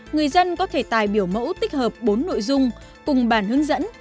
người dân có thể tài biểu mẫu tích hợp bốn nội dung cùng bản hướng dẫn